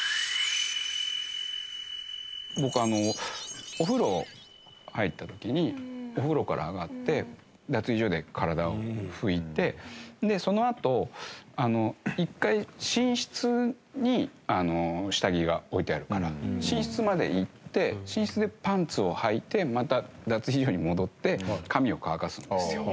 僕あのお風呂入った時にお風呂から上がって脱衣所で体を拭いてそのあと一回寝室に下着が置いてあるから寝室まで行って寝室でパンツをはいてまた脱衣所に戻って髪を乾かすんですよ。